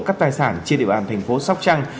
các tài sản trên địa bàn thành phố sóc trăng